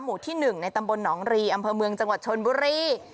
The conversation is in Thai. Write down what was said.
หมู่ที่๑ในตำบลหนองรีอำเภอเมืองจังหวัดชนบุรี